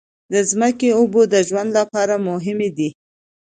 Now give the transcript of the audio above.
د ځمکې اوبو د ژوند لپاره مهمې دي.